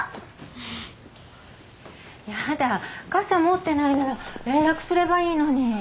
傘持ってないなら連絡すればいいのに。